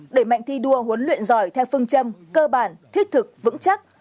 đẩy mạnh thi đua huấn luyện giỏi theo phương châm cơ bản thiết thực vững chắc